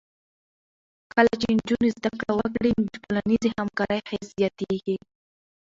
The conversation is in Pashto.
کله چې نجونې زده کړه وکړي، د ټولنیزې همکارۍ حس زیاتېږي.